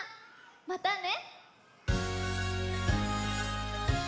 またね！